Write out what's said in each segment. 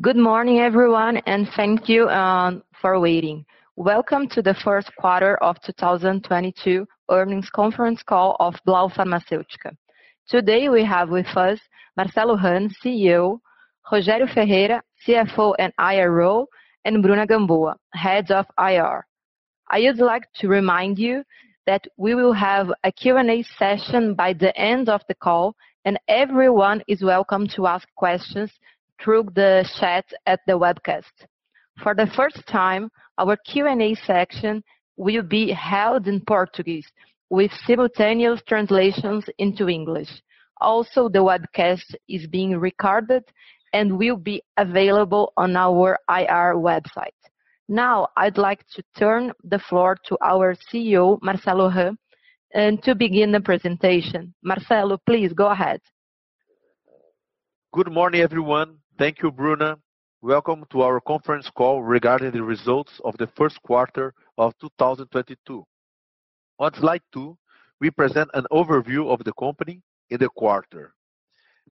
Good morning everyone, and thank you for waiting. Welcome to the first quarter of 2022 earnings conference call of Blau Farmacêutica. Today, we have with us Marcelo Hahn, CEO, Rogério Ferreira, CFO and IRO, and Bruna Gambôa, Head of IR. I would like to remind you that we will have a Q&A session by the end of the call, and everyone is welcome to ask questions through the chat at the webcast. For the first time, our Q&A section will be held in Portuguese with simultaneous translations into English. Also, the webcast is being recorded and will be available on our IR website. Now, I'd like to turn the floor to our CEO, Marcelo Hahn, and to begin the presentation. Marcelo, please go ahead. Good morning, everyone. Thank you, Bruna. Welcome to our conference call regarding the results of the first quarter of 2022. On slide two, we present an overview of the company in the quarter.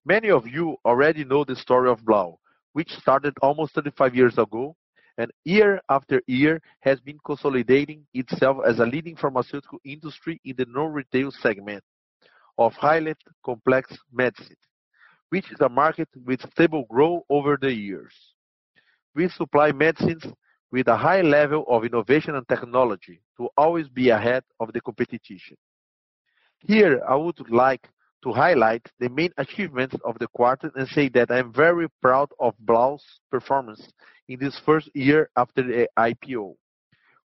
Many of you already know the story of Blau, which started almost 35 years ago, and year after year has been consolidating itself as a leading pharmaceutical industry in the non-retail segment of highly complex medicine, which is a market with stable growth over the years. We supply medicines with a high level of innovation and technology to always be ahead of the competition. Here, I would like to highlight the main achievements of the quarter and say that I'm very proud of Blau's performance in this first year after the IPO.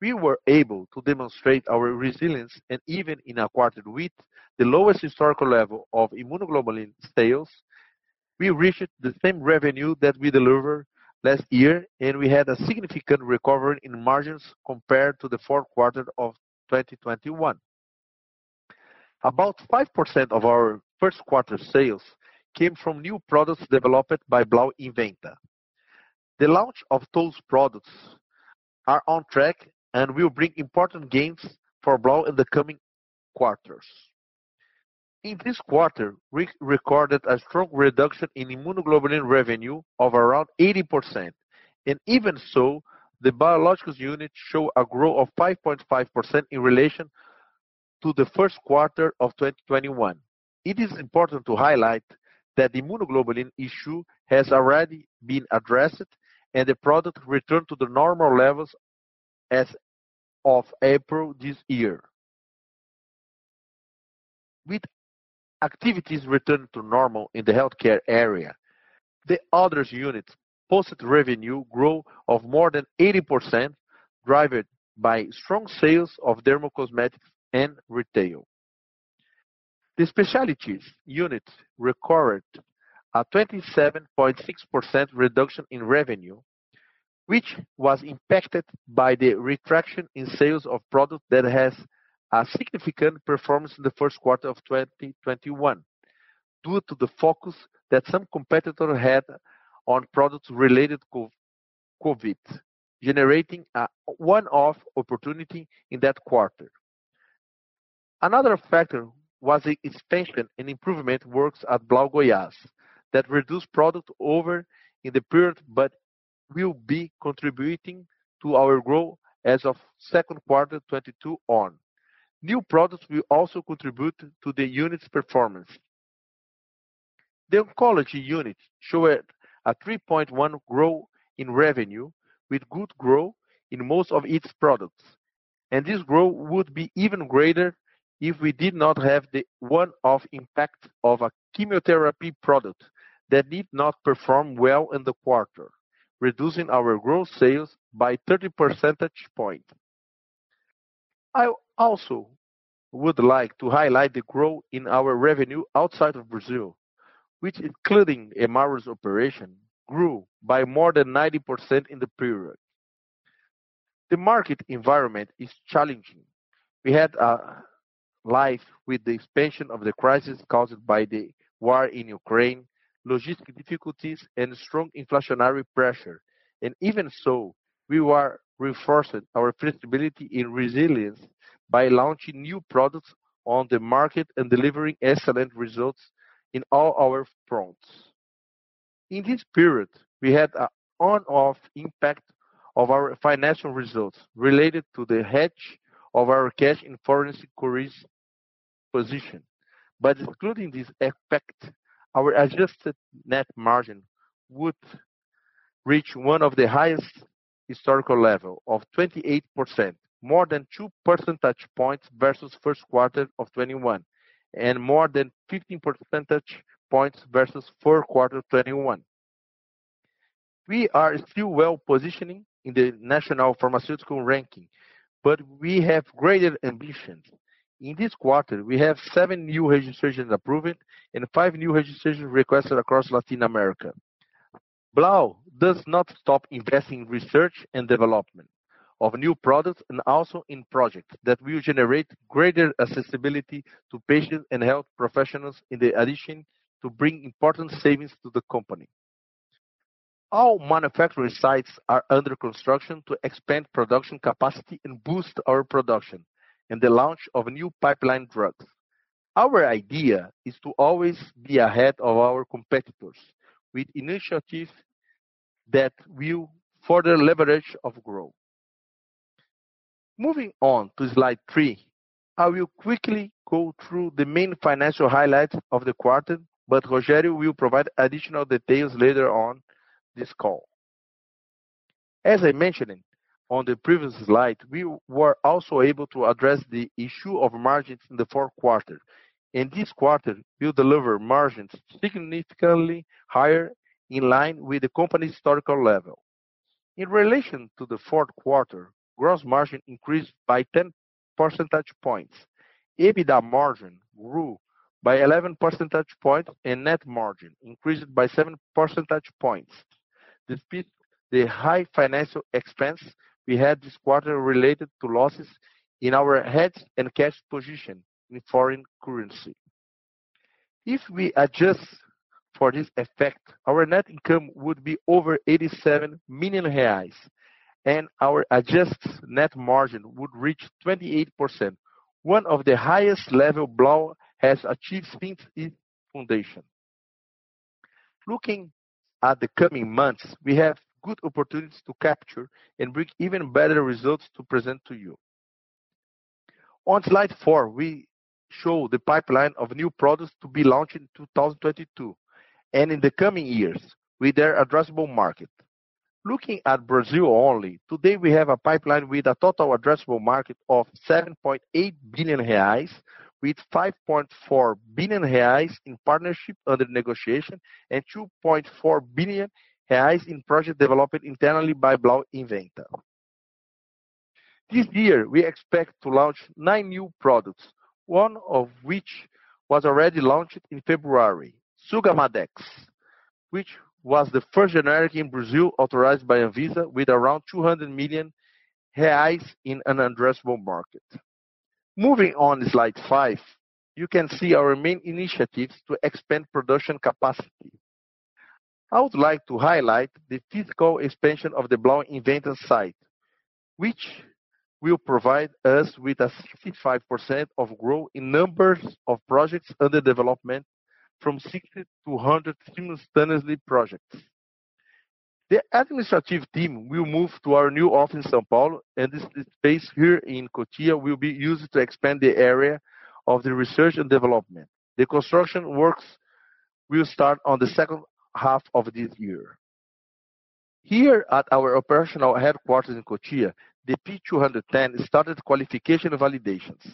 We were able to demonstrate our resilience and even in a quarter with the lowest historical level of immunoglobulin sales, we reached the same revenue that we delivered last year, and we had a significant recovery in margins compared to the fourth quarter of 2021. About 5% of our first quarter sales came from new products developed by Blau Inventta. The launch of those products are on track and will bring important gains for Blau in the coming quarters. In this quarter, we recorded a strong reduction in immunoglobulin revenue of around 80%. Even so, the biological unit show a growth of 5.5% in relation to the first quarter of 2021. It is important to highlight that the immunoglobulin issue has already been addressed, and the product returned to the normal levels as of April this year. With activities returning to normal in the healthcare area, the other units posted revenue growth of more than 80%, driven by strong sales of dermocosmetics and retail. The specialties unit recorded a 27.6% reduction in revenue, which was impacted by the contraction in sales of product that has a significant performance in the first quarter of 2021 due to the focus that some competitor had on products related to COVID, generating a one-off opportunity in that quarter. Another factor was the expansion and improvement works at Blau Goiás that reduced product output in the period but will be contributing to our growth as of second quarter 2022 on. New products will also contribute to the unit's performance. The oncology unit showed a 3.1% growth in revenue with good growth in most of its products, and this growth would be even greater if we did not have the one-off impact of a chemotherapy product that did not perform well in the quarter, reducing our growth sales by 30 percentage points. I also would like to highlight the growth in our revenue outside of Brazil, which, including Hemarus operation, grew by more than 90% in the period. The market environment is challenging. We had to live with the expansion of the crisis caused by the war in Ukraine, logistic difficulties and strong inflationary pressure. Even so, we are reinforcing our flexibility and resilience by launching new products on the market and delivering excellent results in all our fronts. In this period, we had a one-off impact of our financial results related to the hedge of our cash in foreign securities position. Excluding this effect, our adjusted net margin would reach one of the highest historical level of 28%, more than 2 percentage points versus first quarter of 2021, and more than 15 percentage points versus fourth quarter 2021. We are still well-positioned in the national pharmaceutical ranking, but we have greater ambitions. In this quarter, we have seven new registrations approved and five new registrations requested across Latin America. Blau does not stop investing in research and development of new products and also in projects that will generate greater accessibility to patients and health professionals in addition to bring important savings to the company. Our manufacturing sites are under construction to expand production capacity and boost our production in the launch of new pipeline drugs. Our idea is to always be ahead of our competitors with initiatives that will further leverage our growth. Moving on to slide three, I will quickly go through the main financial highlights of the quarter, but Rogério will provide additional details later on this call. As I mentioned on the previous slide, we were also able to address the issue of margins in the fourth quarter, and this quarter will deliver margins significantly higher in line with the company's historical level. In relation to the fourth quarter, gross margin increased by 10 percentage points. EBITDA margin grew by 11 percentage points, and net margin increased by 7 percentage points. Despite the high financial expense we had this quarter related to losses in our hedge and cash position in foreign currency. If we adjust for this effect, our net income would be over 87 million reais and our adjusted net margin would reach 28%, one of the highest level Blau has achieved since its foundation. Looking at the coming months, we have good opportunities to capture and bring even better results to present to you. On slide four, we show the pipeline of new products to be launched in 2022 and in the coming years with their addressable market. Looking at Brazil only, today we have a pipeline with a total addressable market of 7.8 billion reais with 5.4 billion reais in partnership under negotiation and 2.4 billion reais in project development internally by Blau Inventta. This year we expect to launch nine new products, one of which was already launched in February, Sugammadex, which was the first generic in Brazil authorized by Anvisa with around 200 million reais in an addressable market. Moving on to slide five, you can see our main initiatives to expand production capacity. I would like to highlight the physical expansion of the Blau Inventta site, which will provide us with a 65% of growth in numbers of projects under development from 60-100 simultaneously projects. The administrative team will move to our new office in São Paulo, and this space here in Cotia will be used to expand the area of the research and development. The construction works will start on the second half of this year. Here at our operational headquarters in Cotia, the P210 started qualification validations.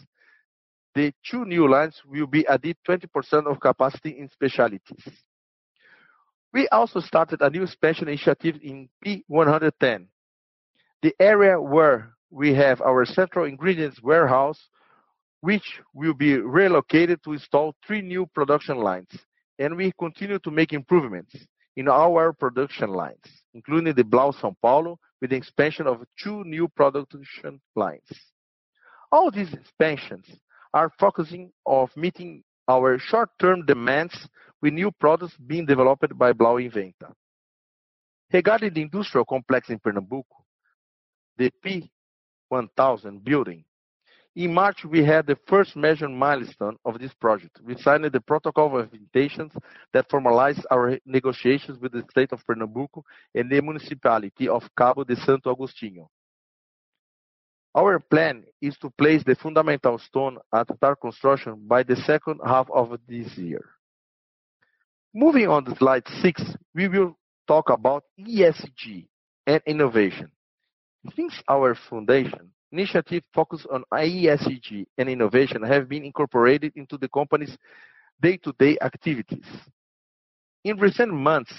The two new lines will be added 20% of capacity in specialties. We also started a new expansion initiative in P110, the area where we have our central ingredients warehouse, which will be relocated to install three new production lines, and we continue to make improvements in our production lines, including the Blau São Paulo, with the expansion of two new production lines. All these expansions are focusing on meeting our short-term demands with new products being developed by Blau Inventta. Regarding the industrial complex in Pernambuco, the P1000 building, in March we had the first major milestone of this project. We signed the protocol of intentions that formalized our negotiations with the state of Pernambuco and the municipality of Cabo de Santo Agostinho. Our plan is to place the foundation stone and start construction by the second half of this year. Moving on to slide six, we will talk about ESG and innovation. Since our foundation, initiatives focused on ESG and innovation have been incorporated into the company's day-to-day activities. In recent months,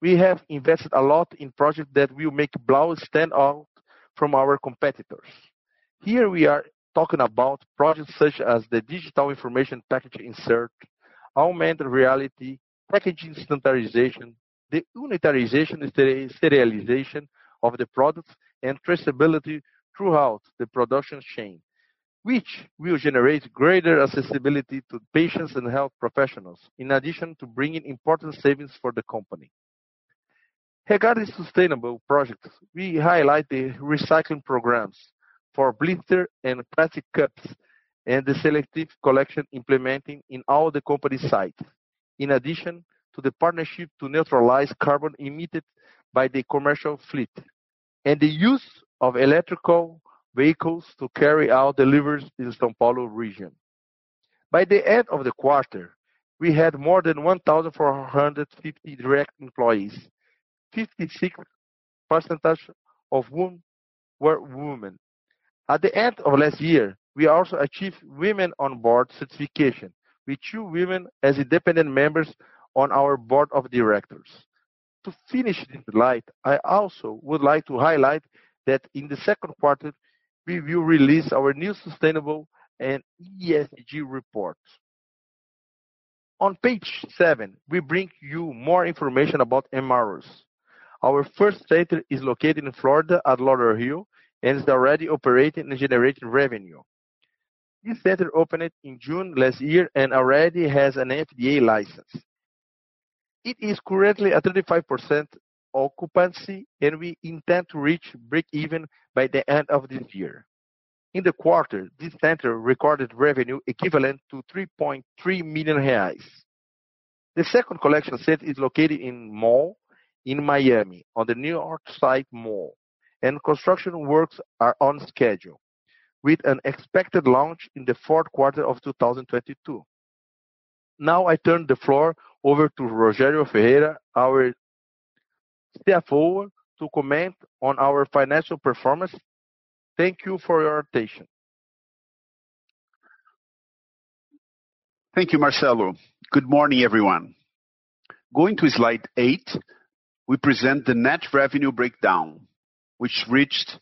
we have invested a lot in projects that will make Blau stand out from our competitors. Here we are talking about projects such as the digital information package insert, augmented reality, packaging standardization, the unitarization and serialization of the products, and traceability throughout the production chain, which will generate greater accessibility to patients and health professionals, in addition to bringing important savings for the company. Regarding sustainable projects, we highlight the recycling programs for blister and plastic cups and the selective collection implemented in all the company sites, in addition to the partnership to neutralize carbon emitted by the commercial fleet and the use of electric vehicles to carry out deliveries in the São Paulo region. By the end of the quarter, we had more than 1,450 direct employees, 56% of whom were women. At the end of last year, we also achieved Women on Board certification with two women as independent members on our board of directors. To finish this slide, I also would like to highlight that in the second quarter we will release our new sustainable and ESG report. On page seven, we bring you more information about Hemarus. Our first center is located in Florida at Lauderhill and is already operating and generating revenue. This center opened in June last year and already has an FDA license. It is currently at 35% occupancy, and we intend to reach break even by the end of this year. In the quarter, this center recorded revenue equivalent to 3.3 million reais. The second collection center is located in mall in Miami, on the New York side mall, and construction works are on schedule, with an expected launch in the fourth quarter of 2022. I turn the floor over to Rogério Ferreira, our CFO, to comment on our financial performance. Thank you for your attention. Thank you, Marcelo. Good morning, everyone. Going to slide eight, we present the net revenue breakdown, which reached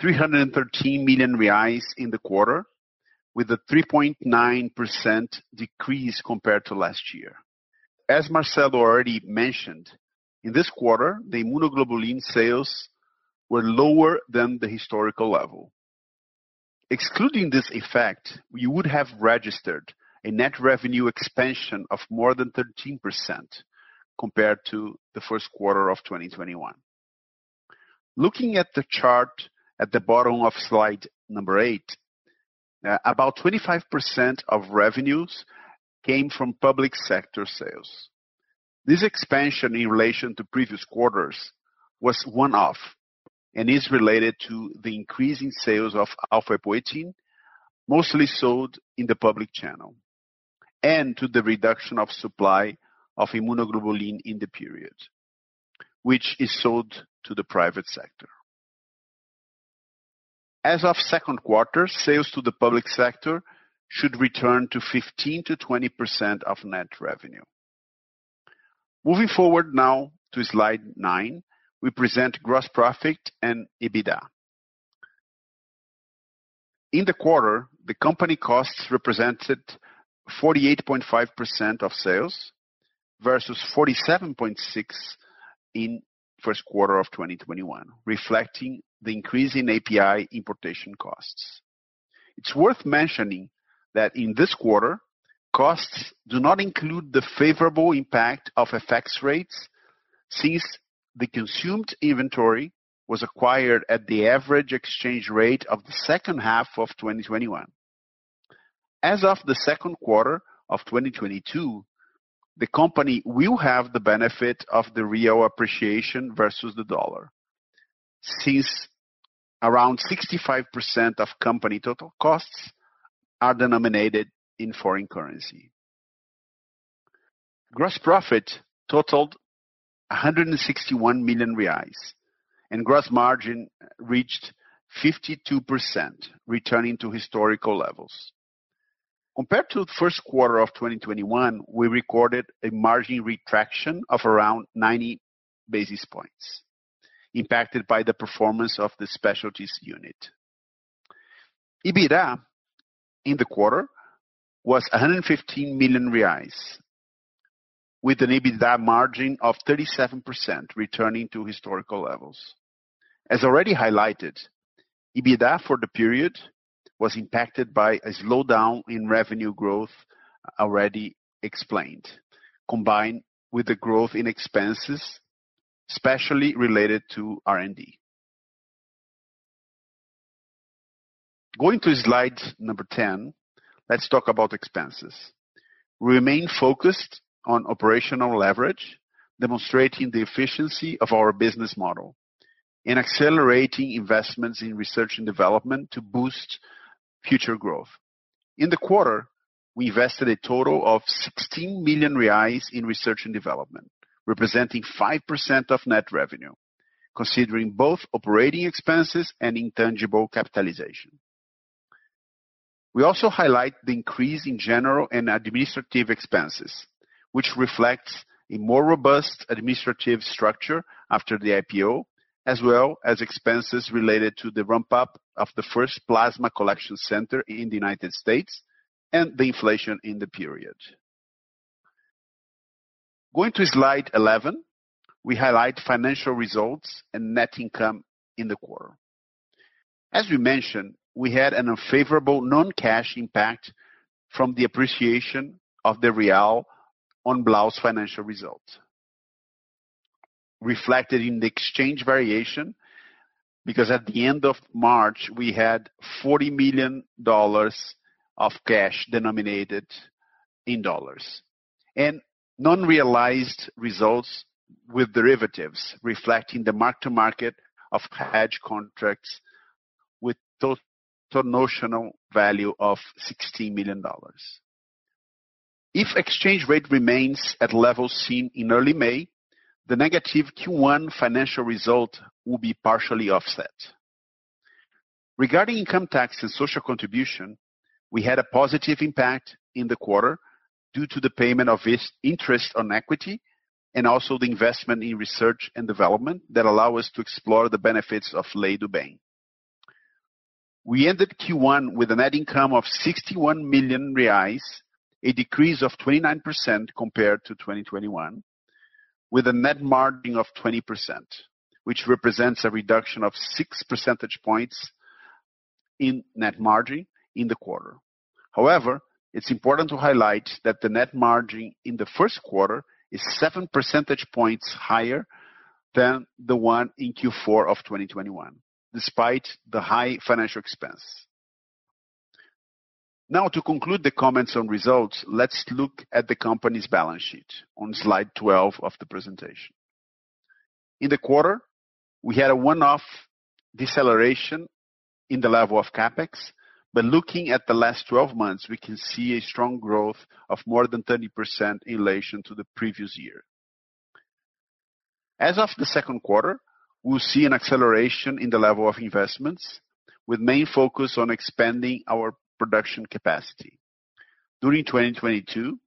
313 million reais in the quarter, with a 3.9% decrease compared to last year. As Marcelo already mentioned, in this quarter, the immunoglobulin sales were lower than the historical level. Excluding this effect, we would have registered a net revenue expansion of more than 13% compared to the first quarter of 2021. Looking at the chart at the bottom of slide number eight, about 25% of revenues came from public sector sales. This expansion in relation to previous quarters was one-off and is related to the increase in sales of alfa epoetin, mostly sold in the public channel, and to the reduction of supply of immunoglobulin in the period, which is sold to the private sector. As of second quarter, sales to the public sector should return to 15%-20% of net revenue. Moving forward now to slide nine, we present gross profit and EBITDA. In the quarter, the company costs represented 48.5% of sales versus 47.6% in first quarter of 2021, reflecting the increase in API importation costs. It's worth mentioning that in this quarter, costs do not include the favorable impact of FX rates since the consumed inventory was acquired at the average exchange rate of the second half of 2021. As of the second quarter of 2022, the company will have the benefit of the real appreciation versus the dollar since around 65% of company total costs are denominated in foreign currency. Gross profit totaled 161 million reais, and gross margin reached 52%, returning to historical levels. Compared to the first quarter of 2021, we recorded a margin retraction of around 90 basis points impacted by the performance of the specialties unit. EBITDA in the quarter was 115 million reais, with an EBITDA margin of 37% returning to historical levels. As already highlighted, EBITDA for the period was impacted by a slowdown in revenue growth already explained, combined with the growth in expenses, especially related to R&D. Going to slide 10, let's talk about expenses. We remain focused on operational leverage, demonstrating the efficiency of our business model and accelerating investments in research and development to boost future growth. In the quarter, we invested a total of 16 million reais in research and development, representing 5% of net revenue, considering both operating expenses and intangible capitalization. We also highlight the increase in general and administrative expenses, which reflects a more robust administrative structure after the IPO, as well as expenses related to the ramp-up of the first plasma collection center in the United States and the inflation in the period. Going to slide 11, we highlight financial results and net income in the quarter. As we mentioned, we had an unfavorable non-cash impact from the appreciation of the real on Blau's financial result, reflected in the exchange variation, because at the end of March, we had $40 million of cash denominated in dollars. Unrealized results with derivatives reflecting the mark-to-market of hedge contracts with total notional value of $16 million. If exchange rate remains at levels seen in early May, the negative Q1 financial result will be partially offset. Regarding income tax and social contribution, we had a positive impact in the quarter due to the payment of this interest on equity and also the investment in research and development that allow us to explore the benefits of Lei do Bem. We ended Q1 with a net income of 61 million reais, a decrease of 29% compared to 2021, with a net margin of 20%, which represents a reduction of 6 percentage points in net margin in the quarter. However, it's important to highlight that the net margin in the first quarter is 7 percentage points higher than the one in Q4 of 2021 despite the high financial expense. Now to conclude the comments on results, let's look at the company's balance sheet on slide 12 of the presentation. In the quarter, we had a one-off deceleration in the level of CapEx, but looking at the last twelve months, we can see a strong growth of more than 30% in relation to the previous year. As of the second quarter, we'll see an acceleration in the level of investments with main focus on expanding our production capacity. During 2022,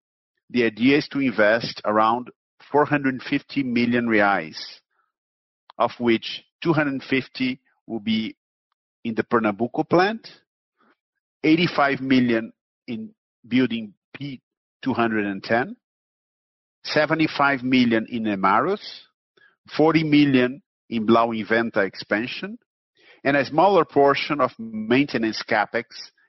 the idea is to invest around 450 million reais, of which 250 million will be in the Pernambuco plant, 85 million in building P210, 75 million in Hemarus, 40 million in Blau Inventta expansion, and a smaller portion of maintenance CapEx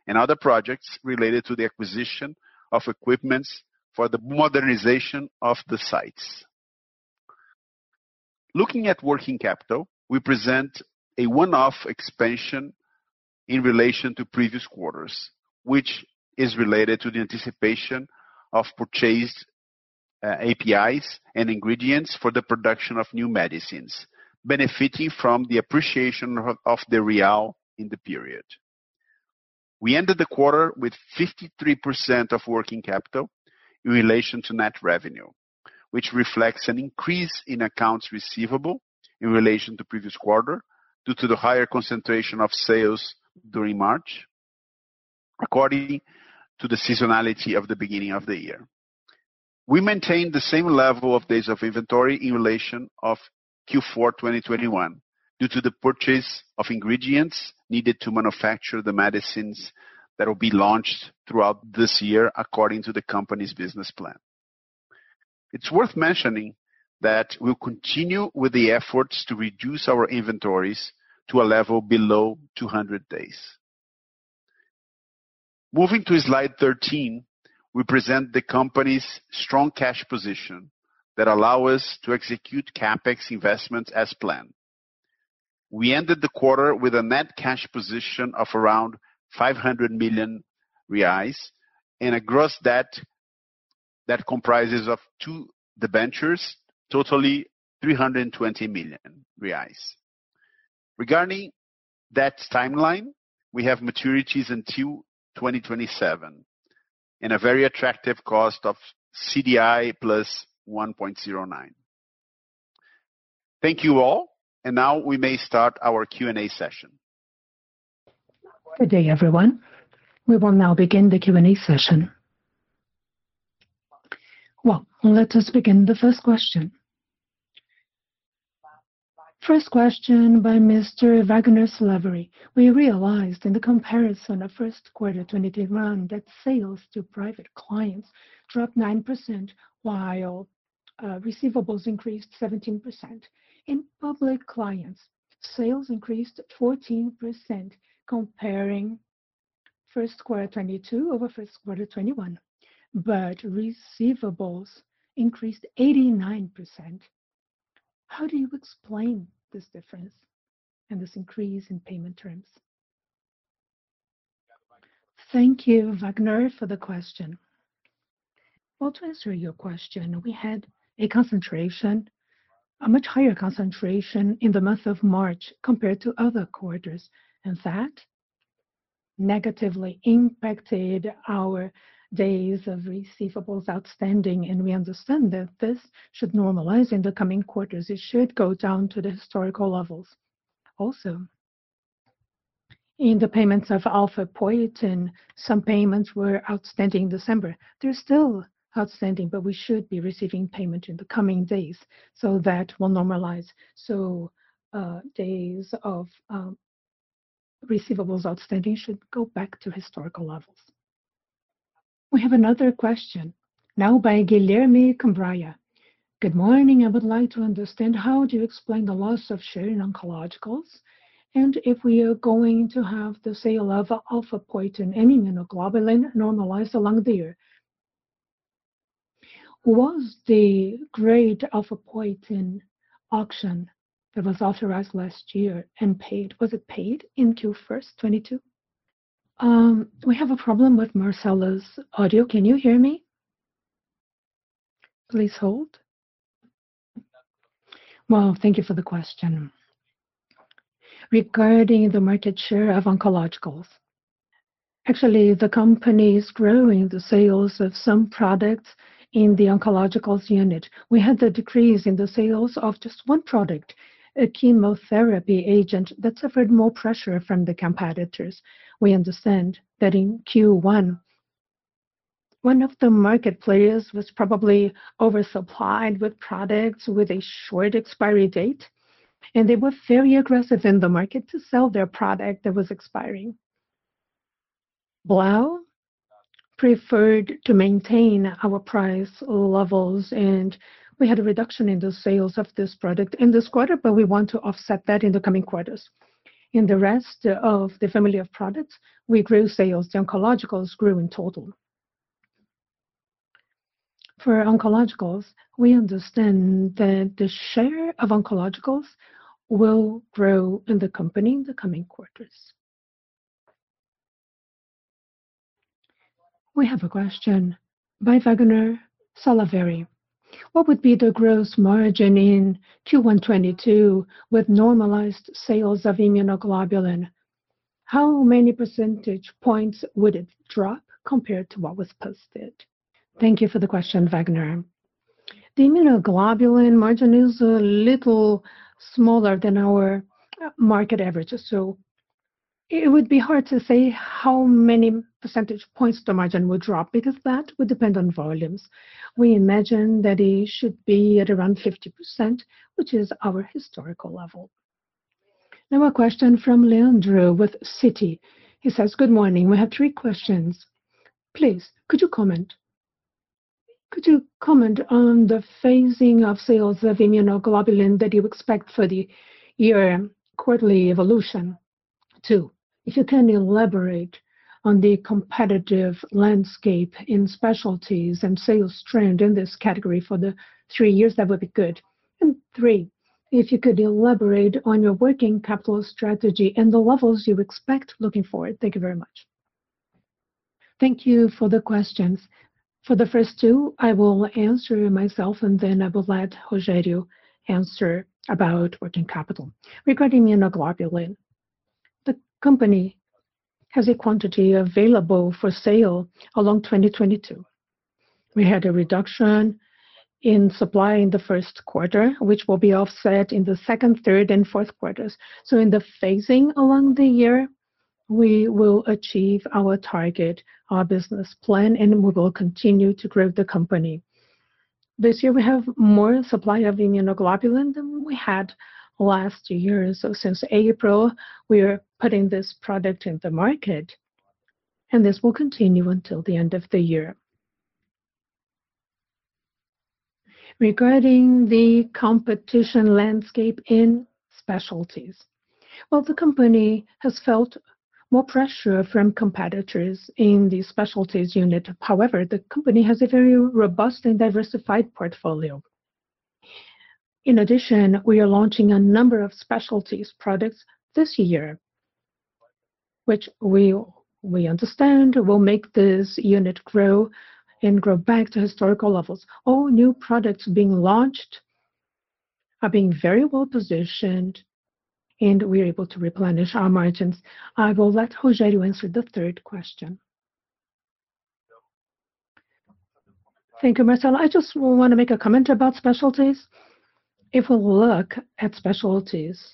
and other projects related to the acquisition of equipment for the modernization of the sites. Looking at working capital, we present a one-off expansion in relation to previous quarters, which is related to the anticipation of purchased APIs and ingredients for the production of new medicines, benefiting from the appreciation of the real in the period. We ended the quarter with 53% of working capital in relation to net revenue, which reflects an increase in accounts receivable in relation to previous quarter due to the higher concentration of sales during March according to the seasonality of the beginning of the year. We maintained the same level of days of inventory in relation to Q4 2021 due to the purchase of ingredients needed to manufacture the medicines that will be launched throughout this year according to the company's business plan. It's worth mentioning that we'll continue with the efforts to reduce our inventories to a level below 200 days. Moving to slide 13, we present the company's strong cash position that allow us to execute CapEx investments as planned. We ended the quarter with a net cash position of around 500 million reais and a gross debt that comprises of two debentures, totaling BRL 320 million. Regarding debt timeline, we have maturities until 2027 and a very attractive cost of CDI+1.09%. Thank you all. Now we may start our Q&A session. Good day, everyone. We will now begin the Q&A session. Well, let us begin the first question. First question by Mr. Wagner Salaverry. We realized in the comparison of first quarter 2021 that sales to private clients dropped 9% while receivables increased 17%. In public clients, sales increased 14% comparing first quarter 2022 over first quarter 2021, but receivables increased 89%. How do you explain this difference and this increase in payment terms? Thank you, Wagner, for the question. Well, to answer your question, we had a concentration, a much higher concentration in the month of March compared to other quarters. That negatively impacted our days of receivables outstanding, and we understand that this should normalize in the coming quarters. It should go down to the historical levels. Also, in the payments of alfa epoetin, some payments were outstanding December. They're still outstanding, but we should be receiving payment in the coming days, so that will normalize. Days of receivables outstanding should go back to historical levels. We have another question now by Guilherme Cambraia. Good morning. I would like to understand how do you explain the loss of share in oncologicals and if we are going to have the sale of alfa epoetin and immunoglobulin normalize along the year. Was the large alfa epoetin auction that was authorized last year and paid, was it paid in Q1 2022? We have a problem with Marcelo's audio. Can you hear me? Please hold. Well, thank you for the question. Regarding the market share of oncologicals, actually, the company is growing the sales of some products in the oncologicals unit. We had the decrease in the sales of just one product, a chemotherapy agent that suffered more pressure from the competitors. We understand that in Q1, one of the market players was probably oversupplied with products with a short expiry date, and they were very aggressive in the market to sell their product that was expiring. Blau preferred to maintain our price levels, and we had a reduction in the sales of this product in this quarter, but we want to offset that in the coming quarters. In the rest of the family of products, we grew sales. The oncologicals grew in total. For oncologicals, we understand that the share of oncologicals will grow in the company in the coming quarters. We have a question by Wagner Salaverry. What would be the gross margin in Q1 2022 with normalized sales of immunoglobulin? How many percentage points would it drop compared to what was posted? Thank you for the question, Wagner. The immunoglobulin margin is a little smaller than our market average. It would be hard to say how many percentage points the margin would drop because that would depend on volumes. We imagine that it should be at around 50%, which is our historical level. Now a question from Leandro with Citi. He says, good morning. We have three questions. Please, could you comment on the phasing of sales of immunoglobulin that you expect for the year quarterly evolution? Two, if you can elaborate on the competitive landscape in specialties and sales trend in this category for the three years, that would be good. And three, if you could elaborate on your working capital strategy and the levels you expect looking forward. Thank you very much. Thank you for the questions. For the first two, I will answer myself, and then I will let Rogério answer about working capital. Regarding immunoglobulin, the company has a quantity available for sale along 2022. We had a reduction in supply in the first quarter, which will be offset in the second, third, and fourth quarters. In the phasing along the year, we will achieve our target, our business plan, and we will continue to grow the company. This year we have more supply of immunoglobulin than we had last year. Since April, we are putting this product in the market, and this will continue until the end of the year. Regarding the competition landscape in specialties. Well, the company has felt more pressure from competitors in the specialties unit. However, the company has a very robust and diversified portfolio. In addition, we are launching a number of specialty products this year, which we understand will make this unit grow back to historical levels. All new products being launched are being very well-positioned, and we are able to replenish our margins. I will let Rogério answer the third question. Thank you, Marcelo. I just wanna make a comment about specialties. If we look at specialties,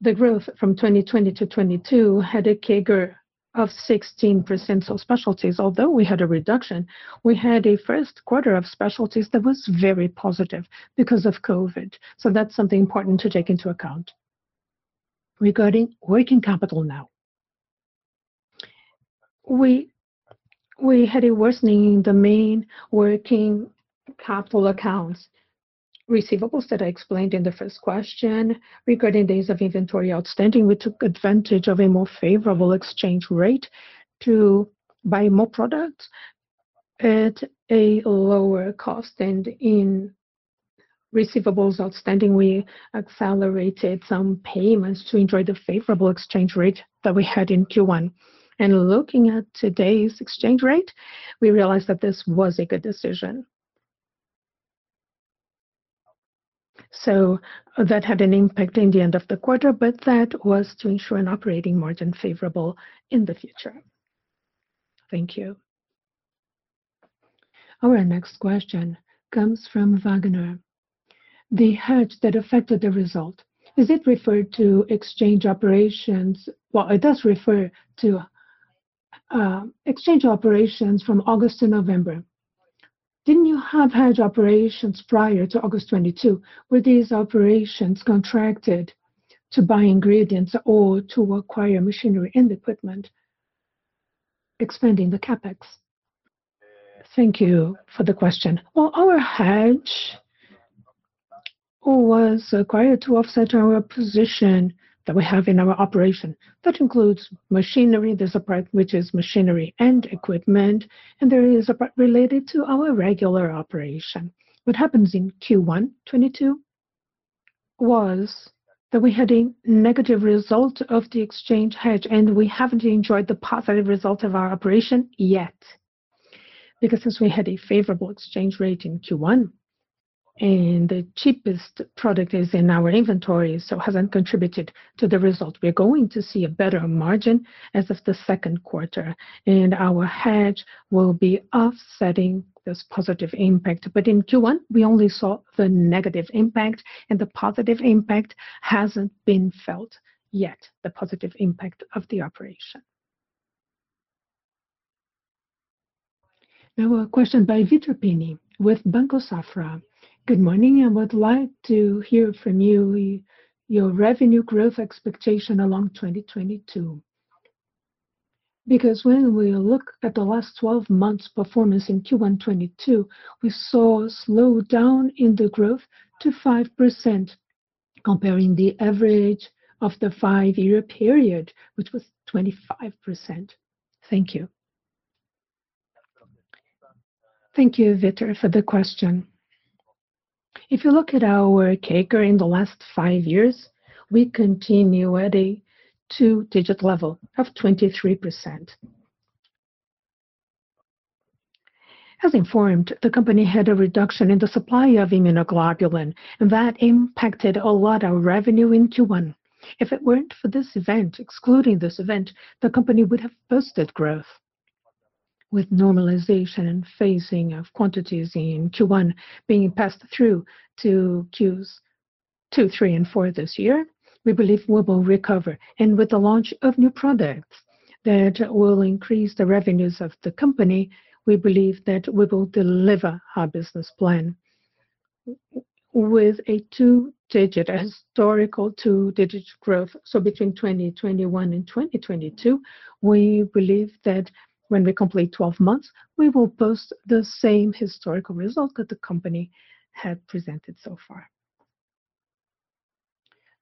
the growth from 2020-2022 had a CAGR of 16% of specialties. Although we had a reduction, we had a first quarter of specialties that was very positive because of COVID. That's something important to take into account. Regarding working capital now. We had a worsening in the main working capital accounts. Receivables that I explained in the first question. Regarding days of inventory outstanding, we took advantage of a more favorable exchange rate to buy more product at a lower cost. In receivables outstanding, we accelerated some payments to enjoy the favorable exchange rate that we had in Q1. Looking at today's exchange rate, we realized that this was a good decision. That had an impact in the end of the quarter, but that was to ensure an operating margin favorable in the future. Thank you. Our next question comes from Wagner. The hedge that affected the result, is it referred to exchange operations? Well, it does refer to exchange operations from August to November. Didn't you have hedge operations prior to August 2022? Were these operations contracted to buy ingredients or to acquire machinery and equipment, expanding the CapEx? Thank you for the question. Well, our hedge was acquired to offset our position that we have in our operation. That includes machinery. There's a part which is machinery and equipment, and there is a part related to our regular operation. What happens in Q1 2022 was that we had a negative result of the exchange hedge, and we haven't enjoyed the positive result of our operation yet. Because since we had a favorable exchange rate in Q1, and the cheapest product is in our inventory, so hasn't contributed to the result. We are going to see a better margin as of the second quarter, and our hedge will be offsetting this positive impact. In Q1, we only saw the negative impact, and the positive impact hasn't been felt yet, the positive impact of the operation. Now a question by Vitor Pini with Banco Safra. Good morning. I would like to hear from you your revenue growth expectation for 2022. Because when we look at the last 12 months' performance in Q1 2022, we saw a slowdown in the growth to 5% comparing the average of the five-year period, which was 25%. Thank you. Thank you, Vitor, for the question. If you look at our CAGR in the last five years, we continue at a two-digit level of 23%. As informed, the company had a reduction in the supply of immunoglobulin, and that impacted a lot our revenue in Q1. If it weren't for this event, excluding this event, the company would have boosted growth. With normalization and phasing of quantities in Q1 being passed through to Q2, Q3, and Q4 this year, we believe we will recover. With the launch of new products that will increase the revenues of the company, we believe that we will deliver our business plan with a two-digit, historical two-digit growth. Between 2021 and 2022, we believe that when we complete 12 months, we will post the same historical result that the company had presented so far.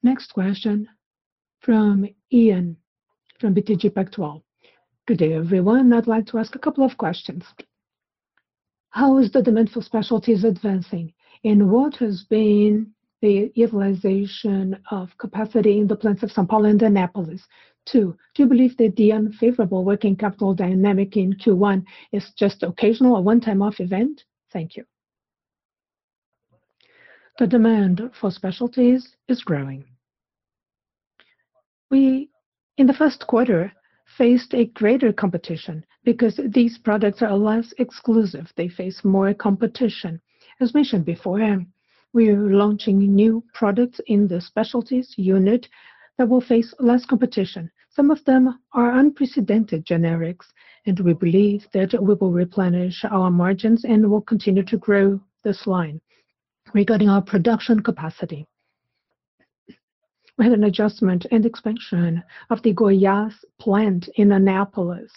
Next question from Ian from BTG Pactual. Good day, everyone. I'd like to ask a couple of questions. How is the demand for specialties advancing, and what has been the utilization of capacity in the plants of São Paulo and Anápolis? Two, do you believe that the unfavorable working capital dynamic in Q1 is just occasional, a one-time off event? Thank you. The demand for specialties is growing. We, in the first quarter, faced a greater competition because these products are less exclusive. They face more competition. As mentioned beforehand, we're launching new products in the specialties unit that will face less competition. Some of them are unprecedented generics, and we believe that we will replenish our margins and will continue to grow this line. Regarding our production capacity, we had an adjustment and expansion of the Goiás plant in Anápolis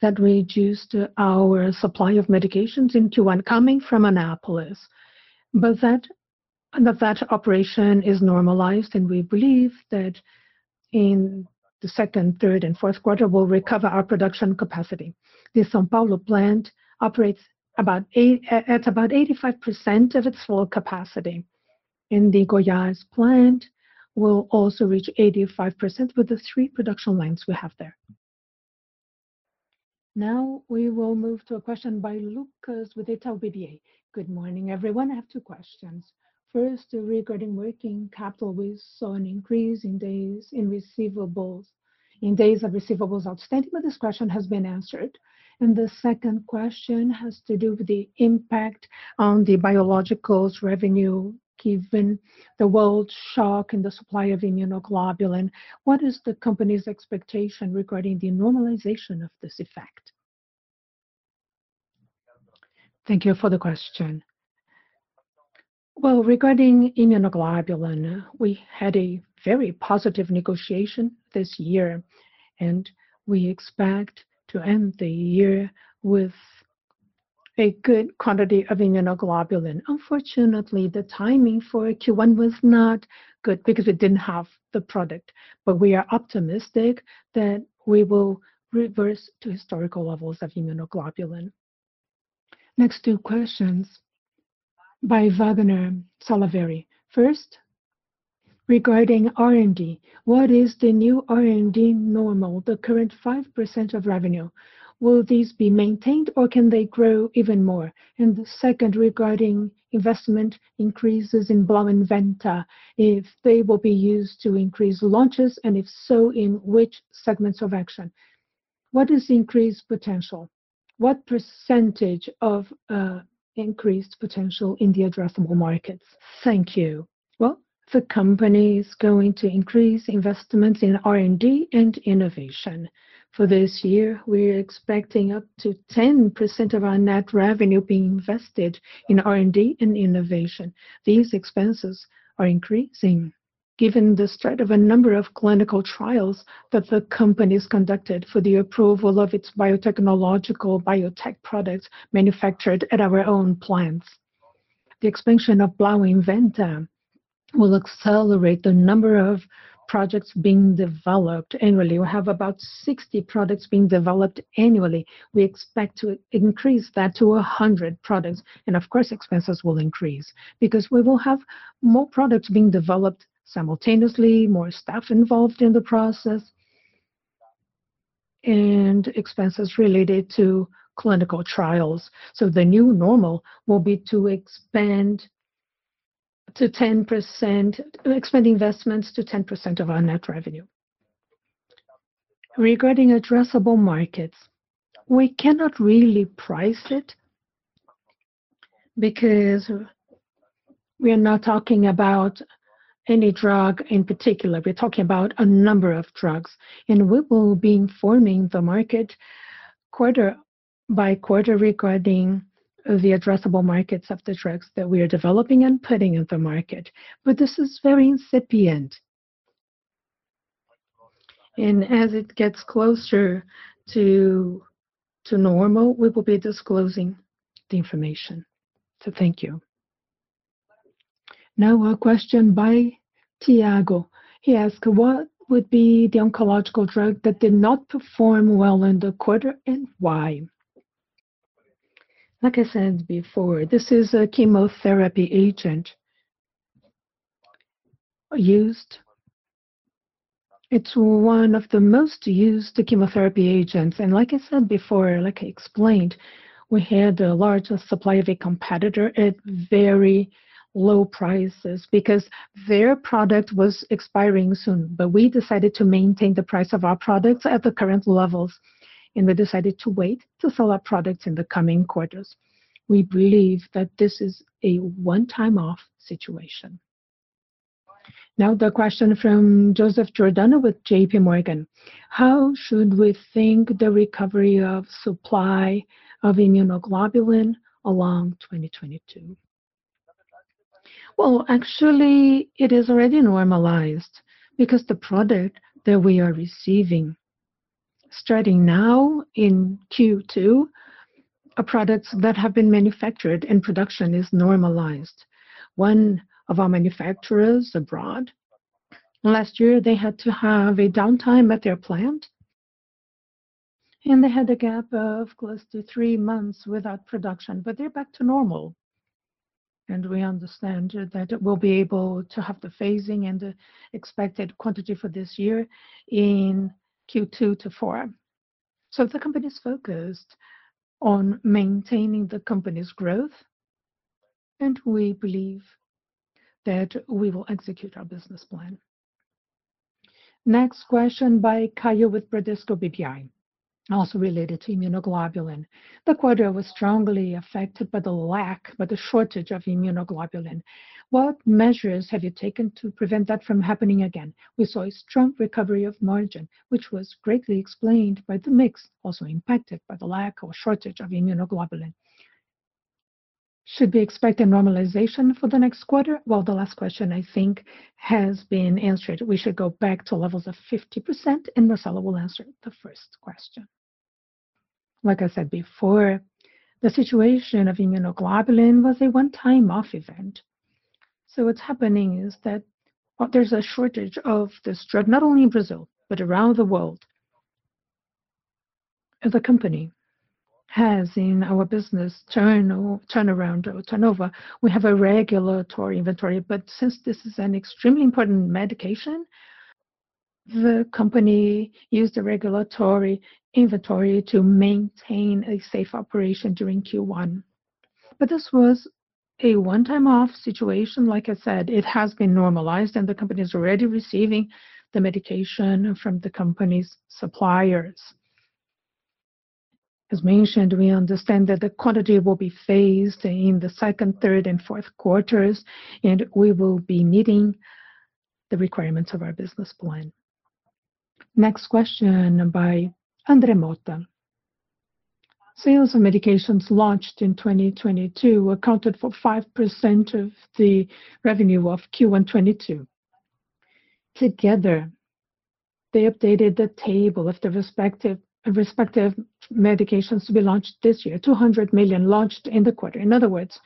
that reduced our supply of medications in Q1 coming from Anápolis. That operation is normalized, and we believe that in the second, third, and fourth quarter, we'll recover our production capacity. The São Paulo plant operates at about 85% of its full capacity, and the Goiás plant will also reach 85% with the three production lines we have there. Now we will move to a question by Lucas with Itaú BBA. Good morning, everyone. I have two questions. First, regarding working capital, we saw an increase in days of receivables outstanding, but this question has been answered. The second question has to do with the impact on the biologics revenue given the world shock and the supply of immunoglobulin. What is the company's expectation regarding the normalization of this effect? Thank you for the question. Well, regarding immunoglobulin, we had a very positive negotiation this year, and we expect to end the year with a good quantity of immunoglobulin. Unfortunately, the timing for Q1 was not good because we didn't have the product. We are optimistic that we will reverse to historical levels of immunoglobulin. Next two questions by Wagner Salaverry. First, regarding R&D, what is the new R&D normal, the current 5% of revenue? Will these be maintained, or can they grow even more? The second regarding investment increases in Blau Inventta, if they will be used to increase launches, and if so, in which segments of action? What is the increased potential? What percentage of increased potential in the addressable markets? Thank you. Well, the company is going to increase investments in R&D and innovation. For this year, we're expecting up to 10% of our net revenue being invested in R&D and innovation. These expenses are increasing given the start of a number of clinical trials that the company's conducted for the approval of its biotechnological biotech products manufactured at our own plants. The expansion of Blau Inventta will accelerate the number of projects being developed annually. We have about 60 products being developed annually. We expect to increase that to 100 products, and of course, expenses will increase because we will have more products being developed simultaneously, more staff involved in the process, and expenses related to clinical trials. The new normal will be to expand investments to 10% of our net revenue. Regarding addressable markets, we cannot really price it. Because we are not talking about any drug in particular. We're talking about a number of drugs. We will be informing the market quarter by quarter regarding the addressable markets of the drugs that we are developing and putting in the market. This is very incipient. As it gets closer to normal, we will be disclosing the information. Thank you. Now a question by Tiago. He asked, "What would be the oncological drug that did not perform well in the quarter, and why?" Like I said before, this is a chemotherapy agent, used. It's one of the most used chemotherapy agents, and like I said before, like I explained, we had a large supply of a competitor at very low prices because their product was expiring soon. We decided to maintain the price of our products at the current levels, and we decided to wait to sell our products in the coming quarters. We believe that this is a one-time off situation. Now the question from Joseph Giordano with JPMorgan. "How should we think about the recovery of supply of immunoglobulin along 2022?" Well, actually, it is already normalized because the product that we are receiving, starting now in Q2, are products that have been manufactured and production is normalized. One of our manufacturers abroad, last year they had to have a downtime at their plant, and they had a gap of close to three months without production. They're back to normal, and we understand that we'll be able to have the phasing and the expected quantity for this year in Q2 to four. The company's focused on maintaining the company's growth, and we believe that we will execute our business plan. Next question by Caio with Bradesco BBI, also related to immunoglobulin. "The quarter was strongly affected by the lack, by the shortage of immunoglobulin. What measures have you taken to prevent that from happening again? We saw a strong recovery of margin, which was greatly explained by the mix also impacted by the lack or shortage of immunoglobulin. Should we expect a normalization for the next quarter?" Well, the last question I think has been answered. We should go back to levels of 50%, and Marcelo will answer the first question. Like I said before, the situation of immunoglobulin was a one-off event. What's happening is that, well, there's a shortage of this drug, not only in Brazil, but around the world. As a company, we have in our business turnover a regulatory inventory. Since this is an extremely important medication, the company used the regulatory inventory to maintain a safe operation during Q1. This was a one-off situation. Like I said, it has been normalized and the company's already receiving the medication from the company's suppliers. As mentioned, we understand that the quantity will be phased in the second, third and fourth quarters, and we will be meeting the requirements of our business plan. Next question by Andre Mota. Sales of medications launched in 2022 accounted for 5% of the revenue of Q1 2022. Together, they updated the table of the respective medications to be launched this year, 200 million launched in the quarter. In other words,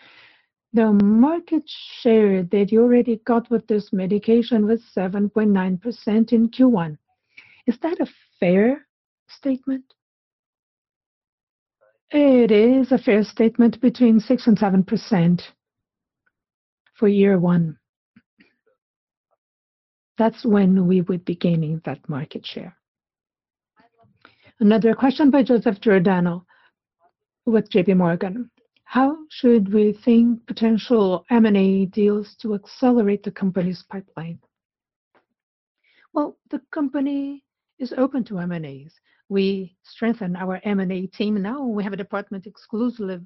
the market share that you already got with this medication was 7.9% in Q1. Is that a fair statement? It is a fair statement, between 6% and 7% for year one. That's when we would be gaining that market share. Another question by Joseph Giordano with JPMorgan. "How should we think potential M&A deals to accelerate the company's pipeline?" Well, the company is open to M&As. We strengthened our M&A team. Now we have a department exclusively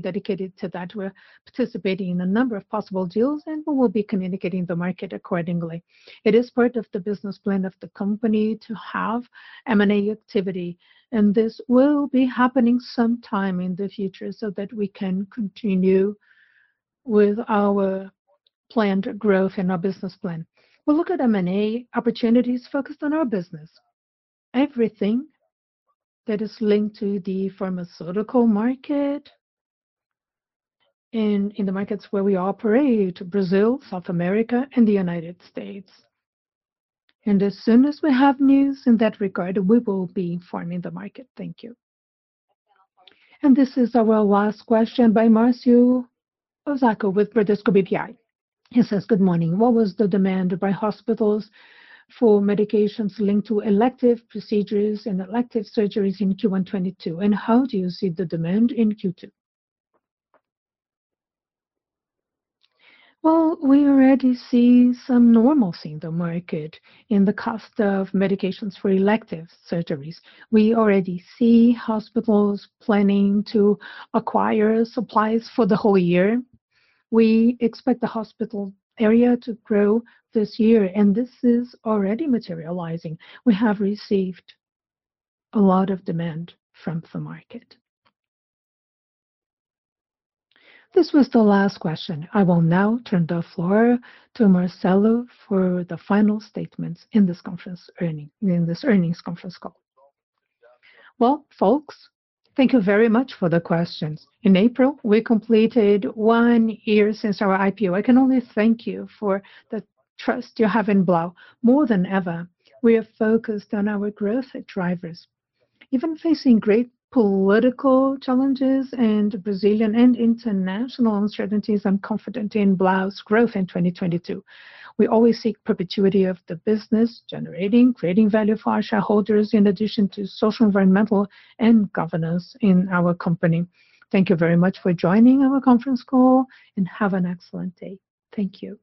dedicated to that. We're participating in a number of possible deals, and we will be communicating the market accordingly. It is part of the business plan of the company to have M&A activity, and this will be happening sometime in the future so that we can continue with our planned growth and our business plan. We'll look at M&A opportunities focused on our business. Everything that is linked to the pharmaceutical market and in the markets where we operate, Brazil, South America, and the United States. As soon as we have news in that regard, we will be informing the market. Thank you. This is our last question by Marcio Osako with Bradesco BBI. He says, "Good morning. What was the demand by hospitals for medications linked to elective procedures and elective surgeries in Q1 2022, and how do you see the demand in Q2?" Well, we already see some normalcy in the market in the cost of medications for elective surgeries. We already see hospitals planning to acquire supplies for the whole year. We expect the hospital area to grow this year, and this is already materializing. We have received a lot of demand from the market. This was the last question. I will now turn the floor to Marcelo for the final statements in this earnings conference call. Well, folks, thank you very much for the questions. In April, we completed one year since our IPO. I can only thank you for the trust you have in Blau. More than ever, we are focused on our growth drivers. Even facing great political challenges and Brazilian and international uncertainties, I'm confident in Blau's growth in 2022. We always seek perpetuity of the business, generating, creating value for our shareholders, in addition to social, environmental and governance in our company. Thank you very much for joining our conference call, and have an excellent day. Thank you.